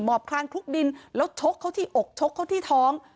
บคลานคลุกดินแล้วชกเข้าที่อกชกเข้าที่ท้อง